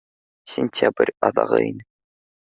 Сентябрь аҙағы ине.